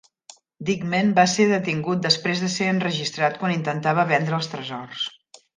Dikmen va ser detingut després de ser enregistrat quan intentava vendre els tresors.